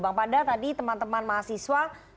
bang panda tadi teman teman mahasiswa